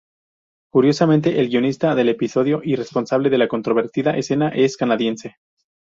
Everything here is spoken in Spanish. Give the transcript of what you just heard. Curiosamente, el guionista del episodio y responsable de la controvertida escena es canadiense.